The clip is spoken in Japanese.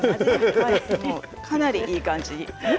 かなりいい感じに。